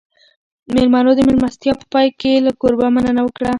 مېلمنو د مېلمستیا په پای کې له کوربه مننه وکړه.